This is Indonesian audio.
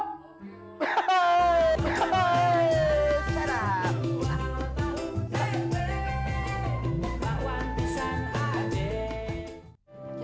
mbak wan bisa aja